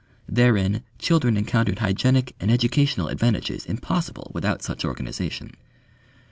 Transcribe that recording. Therein children encountered hygienic and educational advantages impossible without such organisation.